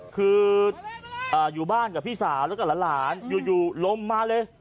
คืออยู่บ้านกับพี่สาวแล้วก็หลานอยู่ลมมาเลย